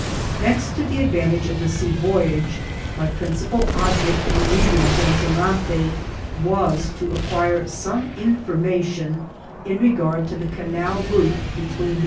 Next to the advantage of the sea voyage, my princi pal object in leaving Zoneonate was to acquire some information in regard to the canal route between the ▲ LIHVBLA.